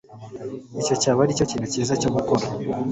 Icyo cyaba aricyo kintu cyiza cyo gukora